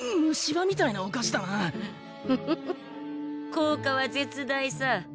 効果は絶大さ。